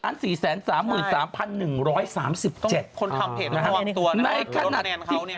ในขณะที่